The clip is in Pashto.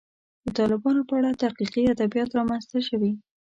د طالبانو په اړه تحقیقي ادبیات رامنځته شوي.